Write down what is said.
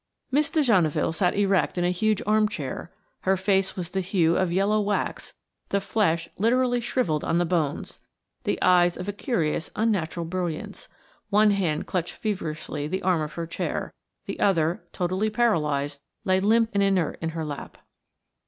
Miss de Genneville sat erect in a huge armchair; her face was the hue of yellow wax, the flesh literally shrivelled on the bones, the eyes of a curious, unnatural brilliance; one hand clutched feverishly the arm of her chair, the other, totally paralysed, lay limp and inert on her lap.